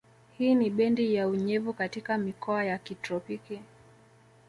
Hii ni bendi ya unyevu katika mikoa ya kitropiki